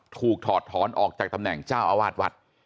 ถอดถอนออกจากตำแหน่งเจ้าอาวาสวัด